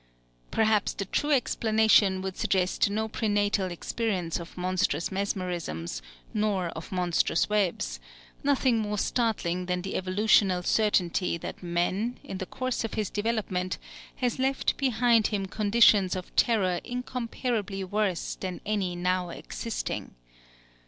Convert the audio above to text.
Perhaps the true explanation would suggest no prenatal experience of monstrous mesmerisms nor of monstrous webs, nothing more startling than the evolutional certainty that man, in the course of his development, has left behind him conditions of terror incomparably worse than any now existing.